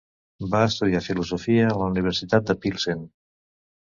Va estudiar filosofia a la Universitat de Pilsen.